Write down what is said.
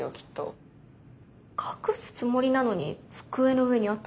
隠すつもりなのに机の上にあったの？